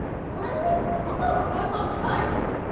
あれ全部パパが書いたんじゃないの？